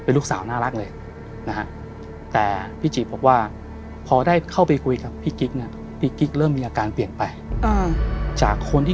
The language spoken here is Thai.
เป็นลูกสาวน่ารักเลยนะฮะ